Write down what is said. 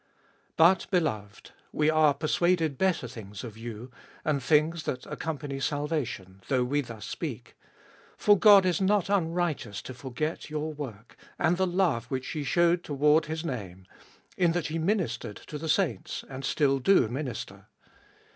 But, beloved, we are persuaded better things of you, and things that accompany salvation, though we thus speak : 10. For God is not unrighteous to forget your work, and the love which ye showed toward his name, in that ye ministered to the saints, and still do minister.